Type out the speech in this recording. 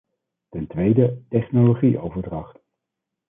Ten tweede, technologieoverdracht.